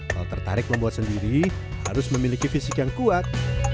kalau tertarik membuat sendiri harus memiliki fisik yang kuat